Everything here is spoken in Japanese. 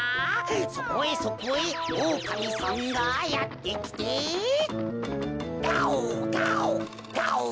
そこへそこへおおかみさんがやってきてガオガオガオ！